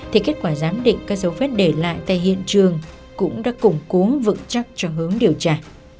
thì kết quả giám định các dấu vết để lại tại hiện trường cũng đã củng cố vững chắc cho hướng điều tra